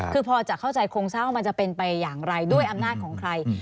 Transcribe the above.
คือพอจะเข้าใจโครงสร้างมันจะเป็นไปอย่างไรด้วยอำนาจของใคร